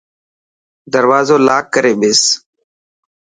دروازو لاڪ ڪري ٻيس.